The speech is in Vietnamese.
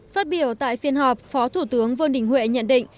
phát biểu tại phiên họp phó thủ tướng vương đình huệ nhận định